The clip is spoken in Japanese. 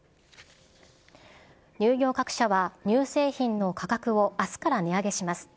乳業各社は乳製品の価格をあすから値上げします。